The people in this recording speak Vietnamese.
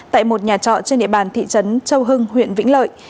tại một nhà trọ trên địa bàn thị trấn châu hưng huyện vĩnh lợi